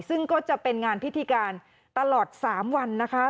ซึ่งก็จะเป็นงานพิธีการตลอด๓วันนะคะ